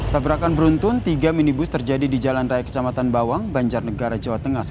tabrakan beruntun tiga minibus terjadi di jalan raya kecamatan bawang banjarnegara jawa tengah